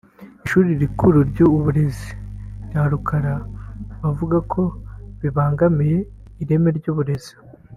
ishuri rikuru ry’uburezi rya Rukara bavuga ko bibangamiye ireme ry’uburezi